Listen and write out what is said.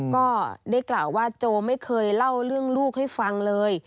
ก็ได้กล่าวว่าโจไม่เคยเล่าเรื่องลูกให้ฟังเลย